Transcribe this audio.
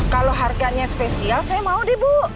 kalau harganya spesial saya mau deh bu